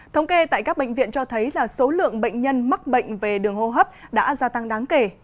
thống kê tại các bệnh viện cho thấy là số lượng bệnh nhân mắc bệnh về đường hô hấp đã gia tăng đáng kể